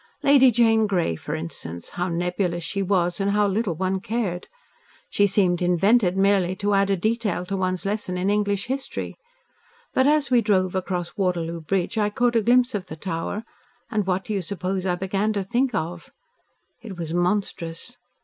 Lady Jane Grey, for instance, how nebulous she was and how little one cared. She seemed invented merely to add a detail to one's lesson in English history. But, as we drove across Waterloo Bridge, I caught a glimpse of the Tower, and what do you suppose I began to think of? It was monstrous.